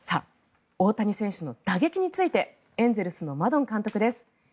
大谷選手の打撃についてエンゼルスのマドン監督です。